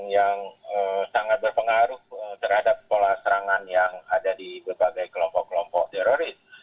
yang sangat berpengaruh terhadap pola serangan yang ada di berbagai kelompok kelompok teroris